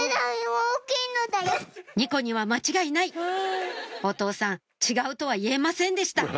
２個には間違いないお父さん違うとは言えませんでした